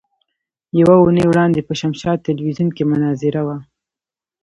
يوه اونۍ وړاندې په شمشاد ټلوېزيون کې مناظره وه.